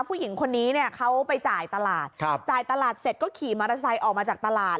ผู้หญิงคนนี้เนี่ยเขาไปจ่ายตลาดจ่ายตลาดเสร็จก็ขี่มอเตอร์ไซค์ออกมาจากตลาด